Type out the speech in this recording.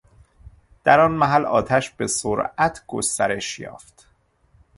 در آن محل آتش به سرعت گسترش یافت